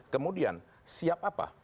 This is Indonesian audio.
kemudian siap apa